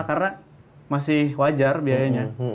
karena masih wajar biayanya